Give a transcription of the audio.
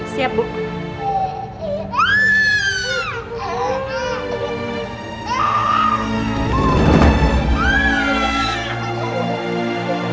semua kembali ke sel